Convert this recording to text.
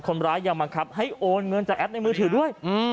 คนร้ายยังบังคับให้โอนเงินจากแอปในมือถือด้วย